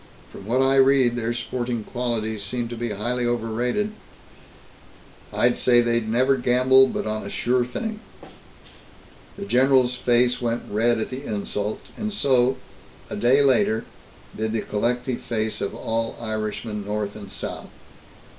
From what I read, their sporting qualities seem to be highly overrated. I'd say they'd never gamble but on a sure thing." The general's face went red at the insult, and so, a day later, did the collective face of all Irishmen, North and South.